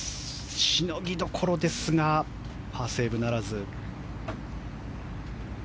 しのぎどころですがパーセーブならず。